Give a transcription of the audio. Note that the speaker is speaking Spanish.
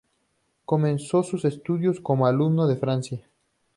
Comenzó sus estudios como alumno de farmacia.